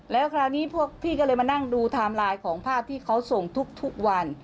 แล้วคราวนี้พวกพี่ก็เลยมานั่งดูไทม์ไลน์ของภาพที่เขาส่งทุกวัน